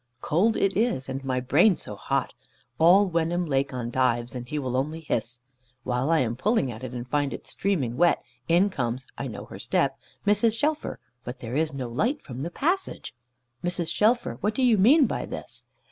Cold it is, and my brain so hot. All Wenham lake on Dives, and he will only hiss. While I am pulling at it, and find it streaming wet, in comes I know her step Mrs. Shelfer. But there is no light from the passage! "Mrs. Shelfer, what do you mean by this?"